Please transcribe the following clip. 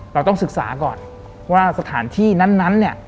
เราต้องศึกษาก่อนว่าสถานที่นั้นเนี่ย